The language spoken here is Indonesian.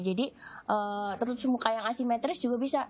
jadi terus muka yang asimetris juga bisa